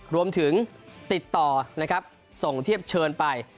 ติดต่อนะครับส่งเทียบเชิญไป